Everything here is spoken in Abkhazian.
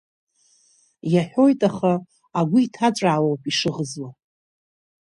Иаҳәоит аха, агәы иҭаҵәаауа ауп ишыӷызуа.